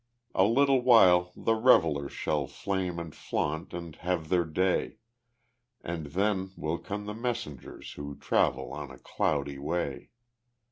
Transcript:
A little while the revellers Shall flame and flaunt and have their day, And then will come the messengers Who travel on a cloudy way.